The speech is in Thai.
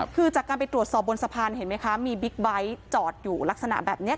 คือจากการไปตรวจสอบบนสะพานเห็นไหมคะมีบิ๊กไบท์จอดอยู่ลักษณะแบบนี้